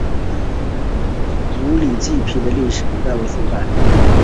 五礼记碑的历史年代为宋代。